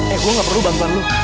eh gue gak perlu bantuan lo